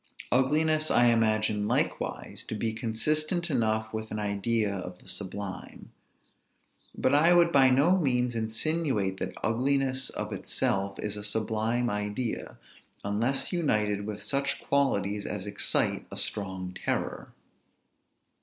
Ugliness I imagine likewise to be consistent enough with an idea of the sublime. But I would by no means insinuate that ugliness of itself is a sublime idea, unless united with such qualities as excite a strong terror.